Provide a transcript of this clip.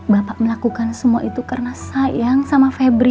bapak melakukan semua itu karena sayang sama febri